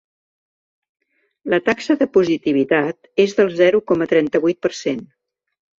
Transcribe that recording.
La taxa de positivitat és del zero coma trenta-vuit per cent.